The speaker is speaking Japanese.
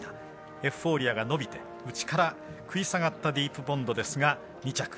エフフォーリアがのびて内から食い下がったディープボンドですが２着。